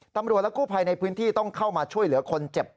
ตำรวจและกู้ภัยในพื้นที่ต้องเข้ามาช่วยเหลือคนเจ็บ